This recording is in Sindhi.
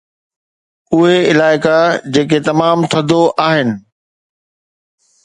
اهي علائقا جيڪي تمام ٿڌو آهن